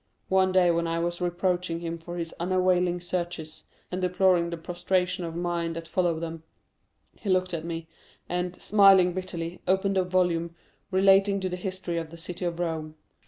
One day when I was reproaching him for his unavailing searches, and deploring the prostration of mind that followed them, he looked at me, and, smiling bitterly, opened a volume relating to the History of the City of Rome.